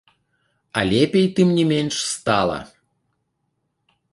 А лепей, тым не менш, стала.